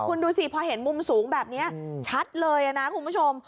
คุณดูสิพอเห็นมุมสูงแบบนี้ชัดเลยนะคุณผู้ชม